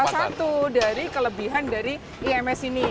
nah itu juga salah satu dari kelebihan dari ims ini